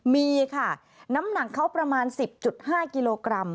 มีค่ะน้ำหนักเขาประมาณ๑๐๕กิโลกรัม